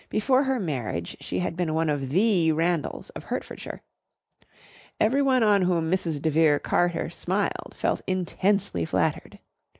Before her marriage she had been one of the Randalls of Hertfordshire. Everyone on whom Mrs. de Vere Carter smiled felt intensely flattered.